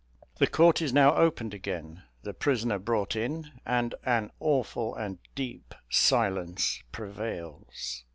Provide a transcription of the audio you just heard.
The court is now opened again, the prisoner brought in, and an awful and deep silence prevails.